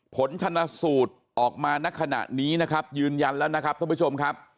ผลชนะสูตรออกมาณขณะนี้นะครับยืนยันแล้วนะครับท่านผู้ชมครับ